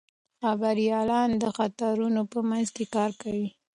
خبریالان د خطرونو په منځ کې کار کوي.